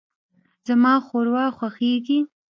زما ښوروا خوښیږي.